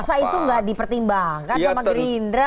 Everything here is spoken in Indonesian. masa itu gak dipertimbangkan sama gerindra